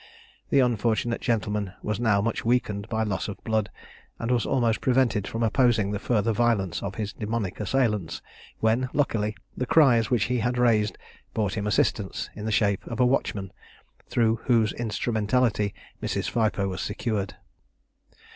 The unfortunate gentleman was now much weakened by loss of blood, and was almost prevented from opposing the further violence of his demoniac assailants, when, luckily, the cries which he had raised brought him assistance in the shape of a watchman, through whose instrumentality Mrs. Phipoe was secured.